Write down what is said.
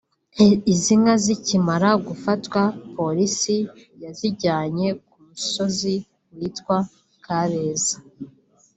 Izi nka zikimara gufatwa polisi yazijyane ku musozi witwa Kabeza